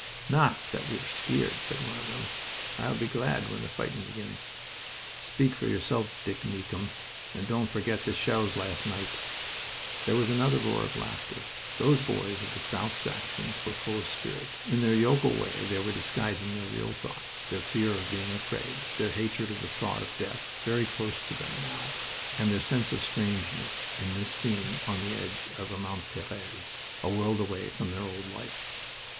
"Not that we're skeered," said one of them. "We'll be glad when the fighting begins." "Speak for yourself, Dick Meekcombe, and don't forget the shells last night." There was another roar of laughter. Those boys of the South Saxons were full of spirit. In their yokel way they were disguising their real thoughts their fear of being afraid, their hatred of the thought of death very close to them now and their sense of strangeness in this scene on the edge of Armentieres, a world away from their old life.